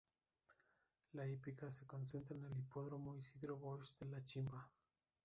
La hípica se concentra en el Hipódromo Isidro Bosch de La Chimba.